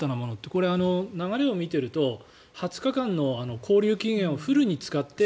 これ、流れを見ていると２０日間の勾留期限をフルに使って。